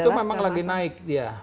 itu memang lagi naik dia